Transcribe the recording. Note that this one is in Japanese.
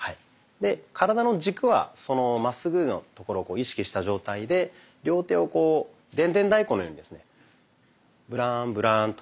で体の軸はまっすぐのところを意識した状態で両手をこうでんでん太鼓のようにですねブランブランと。